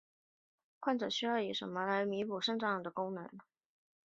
患者需要以透析来弥补其肾脏的功能。